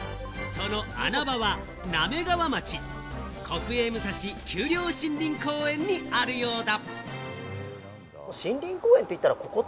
その穴場は滑川町、国営武蔵丘陵森林公園にあるようだ。